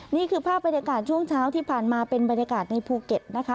นี่คือภาพบรรยากาศช่วงเช้าที่ผ่านมาเป็นบรรยากาศในภูเก็ตนะคะ